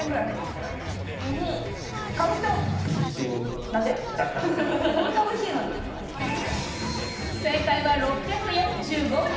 これこんなおいしいのに正解は６４５円